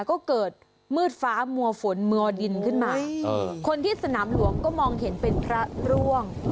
ก็เกิดมืดฟ้ามัวฝนมัวดินขึ้นมาคนที่สนามหลวงก็มองเห็นเป็นพระร่วง